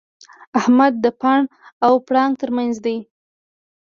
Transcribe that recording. احمد د پاڼ او پړانګ تر منځ دی.